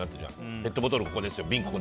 ペットボトルここですよ